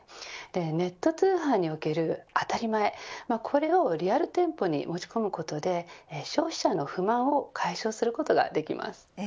ネット通販における当たり前をリアル店舗に持ち込むことで消費者の不満を解消することができます。